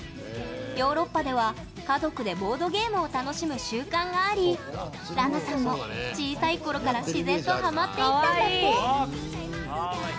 ヨーロッパでは、家族でボードゲームを楽しむ習慣がありらなさんも、小さいころから自然とハマっていったんだって。